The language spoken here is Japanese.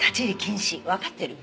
わかってる？